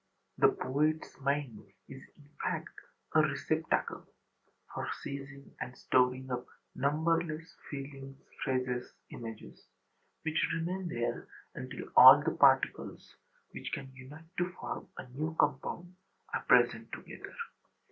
The poetâs mind is in fact a receptacle for seizing and storing up numberless feelings, phrases, images, which remain there until all the particles which can unite to form a new compound are present together.